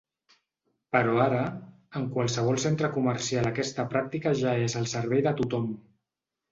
Però ara, en qualsevol centre comercial aquesta pràctica ja és al servei de tothom.